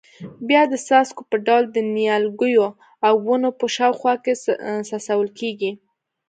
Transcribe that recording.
بیا د څاڅکو په ډول د نیالګیو او ونو په شاوخوا کې څڅول کېږي.